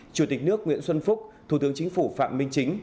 chủ tịch nước nguyễn xuân phúc thủ tướng chính phủ phạm minh chính